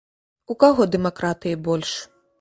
У каго дэмакратыі больш?